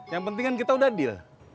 yang penting kan kita udah deal